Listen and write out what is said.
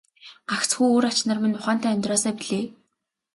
Гагцхүү үр ач нар минь ухаантай амьдраасай билээ.